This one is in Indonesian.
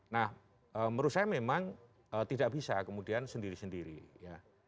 nah menurut saya memang tidak bisa kemudian sendiri sendiri ya